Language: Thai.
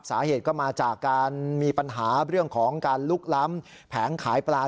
สาเหตุก็มาจากการมีปัญหาเรื่องของการลุกล้ำแผงขายปลา